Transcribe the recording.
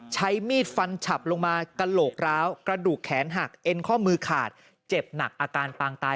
ใช้มีดฟันฉับลงมากระโหลกร้าวกระดูกแขนหักเอ็นข้อมือขาดเจ็บหนักอาการปางตาย